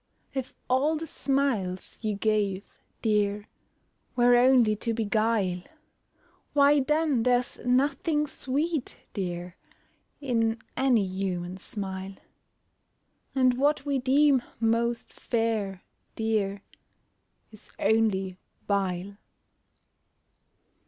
If all the smiles you gave, dear, Were only to beguile, Why then there's nothing sweet, dear, In any human smile; And what we deem most fair, dear, Is only vile.